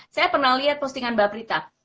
saya pernah lihat postingan mbak prita